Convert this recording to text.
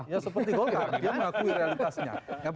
ya seperti golkar dia mengakui realitasnya